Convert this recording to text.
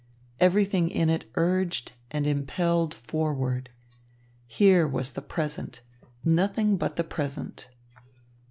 Everything in it urged and impelled forward. Here was the present, nothing but the present.